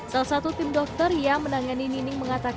salah satu tim dokter yang menangani nining mengatakan